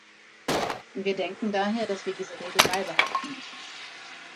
Wir denken daher, dass wir diese Regel beibehalten müssen.